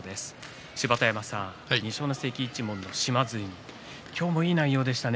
芝田山さん、二所ノ関一門の島津海、いい内容でしたね。